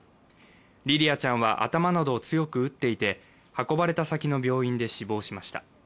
莉々華ちゃんは頭などを強く打っていて、運ばれた先の病院で死亡しました。